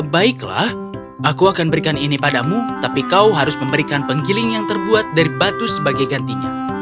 baiklah aku akan berikan ini padamu tapi kau harus memberikan penggiling yang terbuat dari batu sebagai gantinya